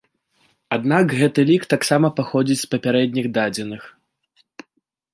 Аднак гэты лік таксама паходзіць з папярэдніх дадзеных.